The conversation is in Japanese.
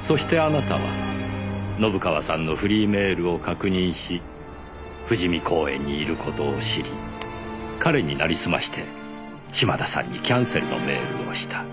そしてあなたは信川さんのフリーメールを確認し富士美公園にいる事を知り彼になりすまして島田さんにキャンセルのメールをした。